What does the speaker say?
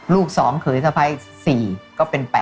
ลูก๒เขยสะพ้าย๔ก็เป็น๘